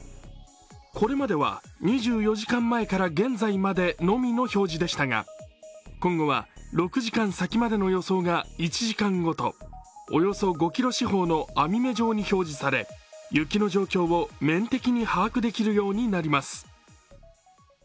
これまでは２４時間前から現在までのみの表示でしたが今後は６時間先までの予想が１時間ごと、およそ５キロ四方の網目状に表示され雪の状況を面的に把握できるようになります。